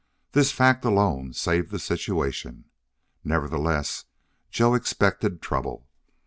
This fact alone saved the situation. Nevertheless, Joe expected trouble.